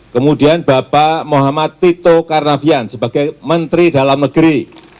kemudian bapak muhammad tito karnavian sebagai menteri dalam negeri